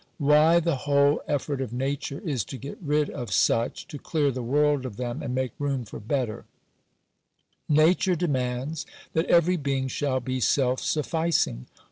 Why the whole effort of nature is to get rid off such — to clear the world of them, and make room for better, Nature demands that every being shall be self sufficing.